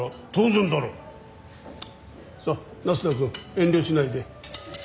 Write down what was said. さあ那須田くん遠慮しないで。